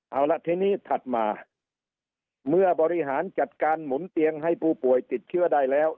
เอาละทีนี้ถัดมาเมื่อบริหารจัดการหมุนเตียงให้ผู้ป่วยติดเชื้อได้แล้ว